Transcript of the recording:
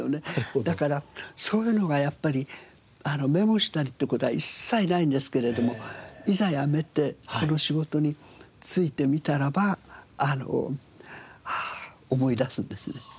だからそういうのがやっぱりメモしたりって事は一切ないんですけれどもいざ辞めてこの仕事に就いてみたらばあの思い出すんですね。